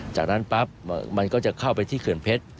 จากนั้นปั๊บมันก็จะเข้าไปที่เขื่อนเพชร